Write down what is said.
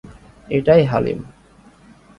এটাই হালিম।